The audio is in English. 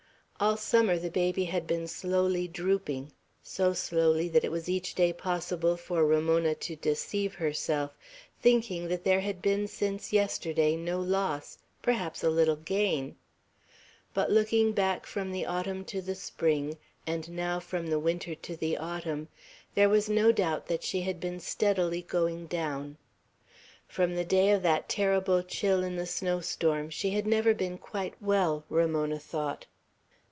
All summer the baby had been slowly drooping; so slowly that it was each day possible for Ramona to deceive herself, thinking that there had been since yesterday no loss, perhaps a little gain; but looking back from the autumn to the spring, and now from the winter to the autumn, there was no doubt that she had been steadily going down. From the day of that terrible chill in the snow storm, she had never been quite well, Ramona thought.